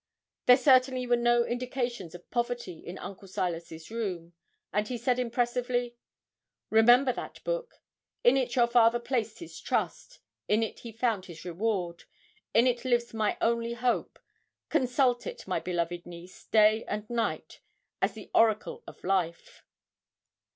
There certainly were no indications of poverty in Uncle Silas's room; and he said impressively 'Remember that book; in it your father placed his trust, in it he found his reward, in it lives my only hope; consult it, my beloved niece, day and night, as the oracle of life.'